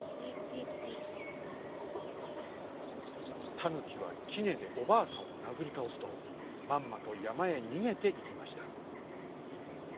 タヌキはきねでおばあさんをなぐりたおすとまんまとやまへにげていきました。